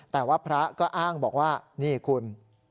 แต่ว่าพระก็อ้างบอกว่านี่คุณ